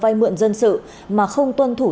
vay mượn dân sự mà không tuân thủ